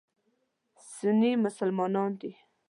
سني مسلمانان دي.